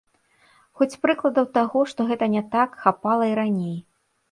Хоць прыкладаў таго, што гэта не так, хапала і раней.